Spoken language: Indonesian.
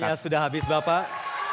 ya sudah habis bapak